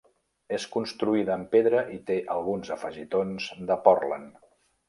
És construïda en pedra i té alguns afegitons de pòrtland.